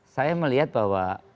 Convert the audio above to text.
saya melihat bahwa